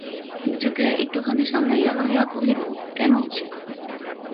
নিজেকে একটুখানি সামলাইয়া লইয়া কহিল, কেন উচিত।